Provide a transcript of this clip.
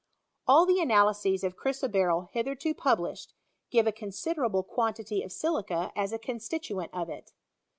All the analyses of chrysoberyl hitherto published, give a considerable quantity of silica as a constituent of it.